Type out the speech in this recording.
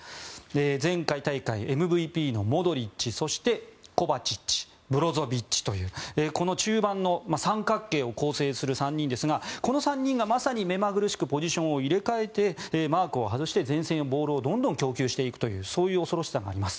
前回大会ＭＶＰのモドリッチそしてコバチッチブロゾビッチというこの中盤の三角形を構成する３人ですがこの３人がまさに目まぐるしくポジションを入れ替えてマークを外して前線へボールをどんどん供給していくというそういう恐ろしさがあります。